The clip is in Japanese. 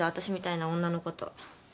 私みたいな女のこと。